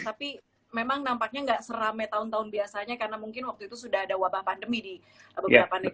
tapi memang nampaknya nggak seramai tahun tahun biasanya karena mungkin waktu itu sudah ada wabah pandemi di beberapa negara